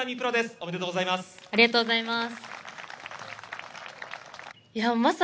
おめでとうございます。